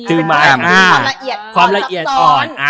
คือความละเอียดอ่อน